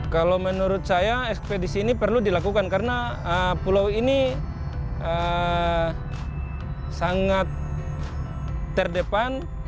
kalau menurut saya ekspedisi ini perlu dilakukan karena pulau ini sangat terdepan